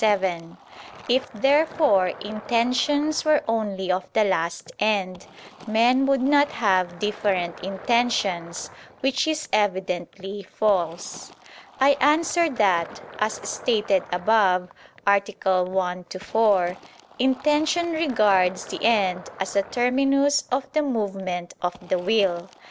7). If, therefore, intentions were only of the last end, men would not have different intentions: which is evidently false. I answer that, As stated above (A. 1, ad 4), intention regards the end as a terminus of the movement of the will.